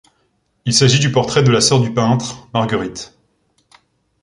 Il s’agit du portrait de la sœur du peintre, Marguerite.